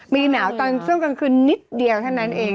มีหนาวตอนช่วงกลางคืนนิดเดียวเท่านั้นเอง